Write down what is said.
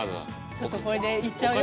ちょっとこれでいっちゃうよ？